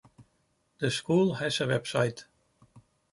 The School has a website.